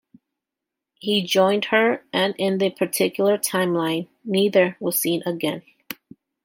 He joined her, and in that particular timeline, neither was seen again.